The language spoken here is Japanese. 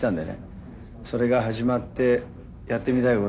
それが始まってやってみないことには。